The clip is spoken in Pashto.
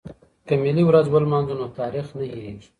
که ملي ورځ ولمانځو نو تاریخ نه هیریږي.